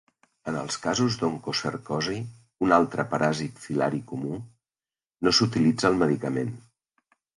En els casos d'oncocercosi, un altre paràsit filari comú, no s'utilitza el medicament.